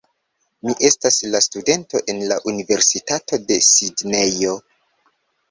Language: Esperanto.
Mi estas la studento en la Universitato de Sidnejo